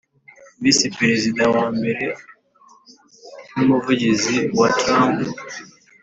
Visi Perezida wa mbere n Umuvugizi wa trump